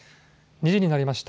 ２時になりました。